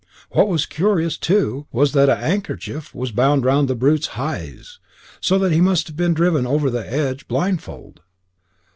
What was curious, too, was that an 'andkerchief was bound round the brute's heyes, so that he must have been driven over the edge blindfold.